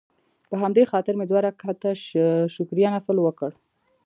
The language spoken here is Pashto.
په همدې خاطر مې دوه رکعته شکريه نفل وکړ.